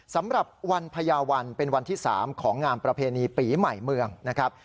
สำหรับวันพญาวันเป็นวันที่๓ของงานประเพณีปีใหม่เมืองนะครับ